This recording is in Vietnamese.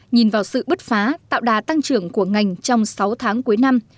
nhìn vào sự bứt phá tạo đà tăng trưởng của ngành trong sáu tháng cuối năm